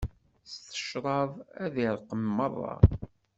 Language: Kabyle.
S tecraḍ ad irqem merra.